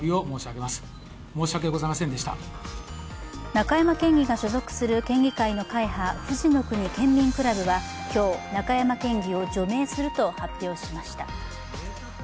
中山県議が所属する県議会の会派ふじのくに県民クラブは今日、中山県議を除名すると発表しました。